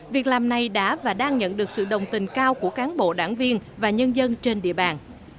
việc làm này đã và đang nhận được sự đồng tình cao của cán bộ đảng viên và nhân dân trên địa bàn